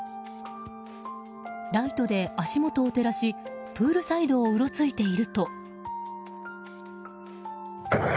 ライトで足元を照らしプールサイドをうろついていると。